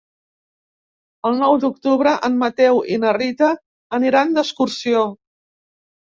El nou d'octubre en Mateu i na Rita aniran d'excursió.